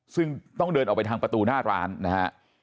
ซึ่งต้องเดินออกไปทางประตูหน้าร้านนะฮะ